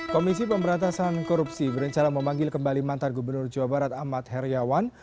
komisi pemberantasan korupsi berencana memanggil kembali mantan gubernur jawa barat ahmad heriawan